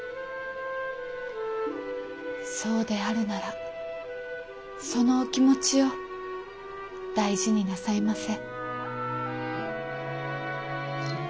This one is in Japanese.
そうであるならそのお気持ちを大事になさいませ。